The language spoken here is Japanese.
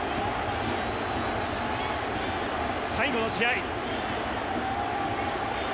最後の試合。